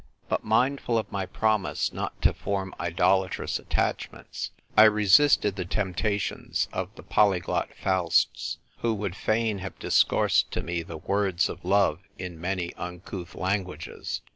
But, mindful of my promise not to form idolatrous attachments, I resisted the temptations of the polyglot Fausts who would fain have discoursed to me the words of love in many uncouth languages.